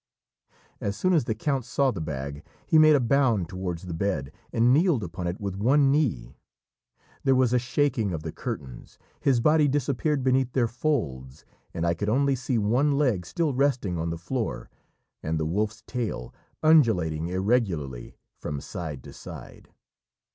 As soon as the count saw the bag he made a bound towards the bed and kneeled upon it with one knee; there was a shaking of the curtains, his body disappeared beneath their folds, and I could only see one leg still resting on the floor, and the wolf's tail undulating irregularly from side to side.